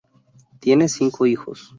Tiene cinco hijos.